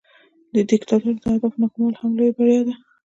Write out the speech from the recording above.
د دیکتاتور د اهدافو ناکامول هم یوه لویه بریا ده.